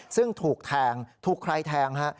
ซึ่งถูกแทงถูกใครแทงฮะ